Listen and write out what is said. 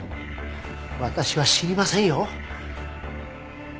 私は知りませんよ。